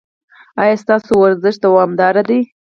ایا ستاسو ورزش دوامدار دی؟